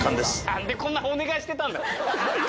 何でこんなお願いしてたんだろ？